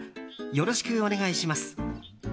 よろしくお願いします。